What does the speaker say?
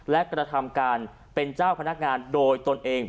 และกระทำการเป็นเจ้าพนักงานโดยตนเอง